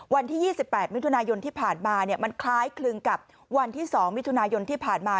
วันที่๒๘มิถุนายนที่ผ่านมามันคล้ายคลึงกับวันที่๒มิถุนายนที่ผ่านมา